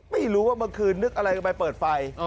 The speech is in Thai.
ไม่รู้ว่าเมื่อคืนนึกอะไรไปเปิดไฟ